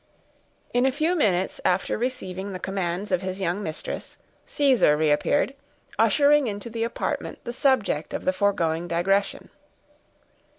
In a few minutes after receiving the commands of his young mistress, Caesar reappeared, ushering into the apartment the subject of the foregoing digression.